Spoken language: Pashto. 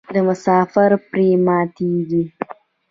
مسافر پرې ماتیږي.